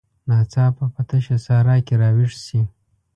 ناڅاپه په تشه صحرا کې راویښ شي.